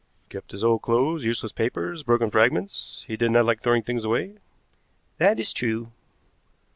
"Kept his old clothes, useless papers, broken fragments. He did not like throwing things away." "That is true."